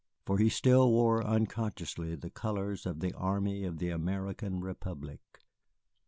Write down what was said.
For he still wore unconsciously the colors of the army of the American Republic.